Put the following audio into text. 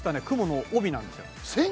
雲の帯なんですよ。